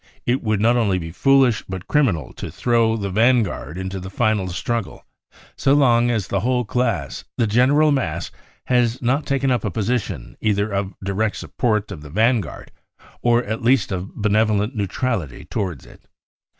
It would be not only foolish, but criminal, to throw the vanguard into the final struggle so long as, the whole class, the general mass, has not taken up a position either of direct support of the vanguard or at least of benevolent neutrality towards it.